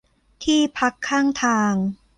ที่พักข้างทาง